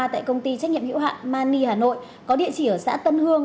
tại công ty trách nhiệm hiệu hạn mani hà nội có địa chỉ ở xã tân hương